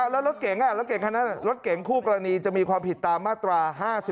แล้วรถเก่งค่ะรถเก่งคู่กรณีจะมีความผิดตามมาตรา๕๑